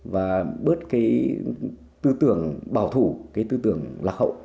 và bớt cái tư tưởng bảo thủ cái tư tưởng lạc hậu